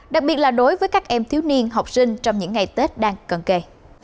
đặc biệt là đối với các em thiếu niên học sinh trong những ngày tết đang cân kê